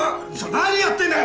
何やってんだよ！